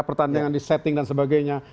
pertandingan di setting dan sebagainya